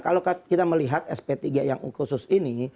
kalau kita melihat sp tiga yang khusus ini